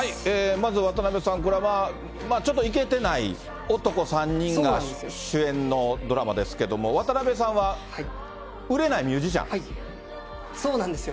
まず渡辺さん、これはちょっといけてない男３人が主演のドラマですけど、渡辺さんは売れないそうなんですよ。